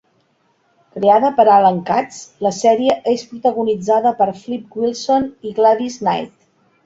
Creada per Allan Katz, la sèrie és protagonitzada per Flip Wilson i Gladys Knight.